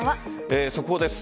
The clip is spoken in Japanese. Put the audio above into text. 速報です。